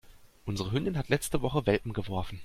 Unsere Hündin hat letzte Woche Welpen geworfen.